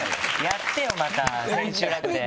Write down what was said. やってよまた千秋楽で。